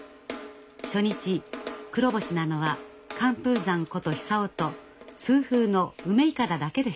初日黒星なのは寒風山こと久男と痛風の梅筏だけでした。